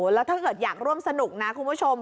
แล้วถ้าเกิดอยากร่วมสนุกนะคุณผู้ชม